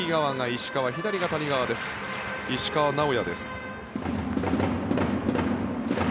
石川直也です。